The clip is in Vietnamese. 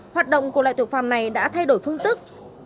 hoạt động của loại tội phạm này đã thay đổi phương thức